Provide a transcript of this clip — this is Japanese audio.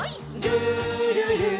「るるる」